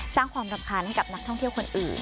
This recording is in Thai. สร้างความรำคาญให้กับนักท่องเที่ยวคนอื่น